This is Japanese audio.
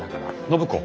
暢子。